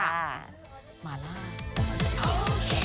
อาลา